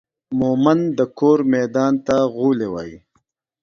مومند دا کور ميدان ته غولي وايي